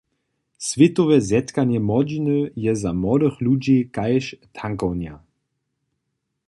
Swětowe zetkanje młodźiny je za młodych ludźi kaž tankownja.